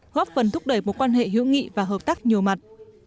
góp phần thúc đẩy mối quan hệ hữu nghị và hợp tác nhiều mặt